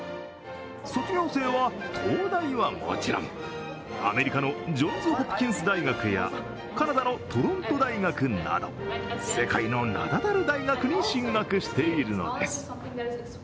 卒業生は東大はもちろんアメリカのジョンズ・ホプキンス大学やカナダのトロント大学など世界の名だたる大学に進学しているのです。